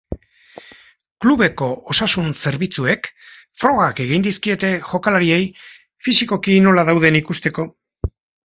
Klubeko osasun-zerbitzuek frogak egin dizkiete jokalariei, fisikoki nola dauden ikusteko.